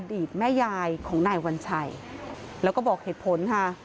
ตแม่ยายของนายวัญชัยแล้วก็บอกเหตุผลค่ะ